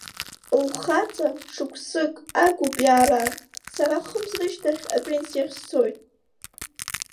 Лхаҵа шықәсык агуп иаара, сара хымз рышьҭахь апенсиахь сцоит…